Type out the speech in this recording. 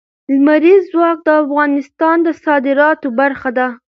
لمریز ځواک د افغانستان د صادراتو برخه ده.